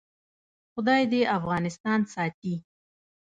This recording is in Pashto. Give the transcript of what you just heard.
خدای دې افغانستان ساتي؟